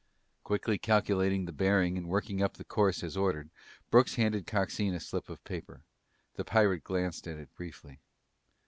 Quickly calculating the bearing and working up the course as ordered, Brooks handed Coxine a slip of paper. The pirate glanced at it briefly.